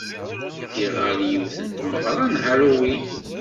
Ddiɣ ɣer yiwet n tmeɣra n Halloween.